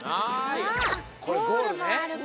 あゴールもあるから。